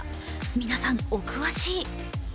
皆さん、お詳しい。